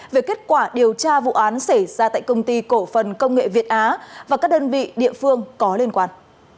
về kết quả điều tra vụ án xảy ra tại công ty cổ phần công nghệ việt á và các đơn vị địa phương có liên quan